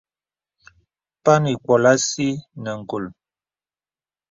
Pan ì mpkōlī a sì nə ngùl.